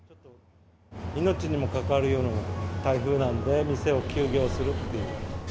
命にも関わるような台風なので、店を休業するっていう。